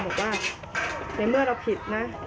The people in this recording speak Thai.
บอกว่าในเมื่อเราผิดนะ